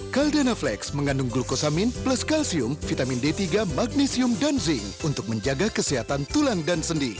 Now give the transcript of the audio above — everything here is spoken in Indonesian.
caldana flex mengandung glukosamin plus kalsium vitamin d tiga magnesium dan zinc untuk menjaga kesehatan tulang dan sendi